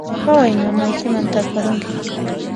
Phaway, mamaykiman tarparunki